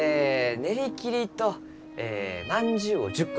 練り切りとえまんじゅうを１０個ずつ。